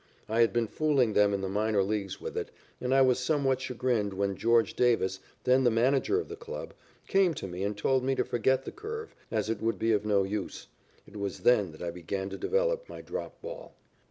I had been fooling them in the minor leagues with it, and I was somewhat chagrined when George Davis, then the manager of the club, came to me and told me to forget the curve, as it would be of no use. It was then that I began to develop my drop ball.